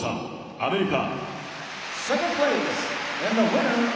アメリカ。